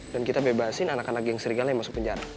dan kita bebasin anak anak geng serigala yang masuk penjara